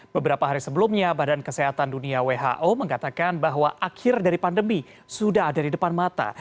beberapa hari sebelumnya badan kesehatan dunia who mengatakan bahwa akhir dari pandemi sudah ada di depan mata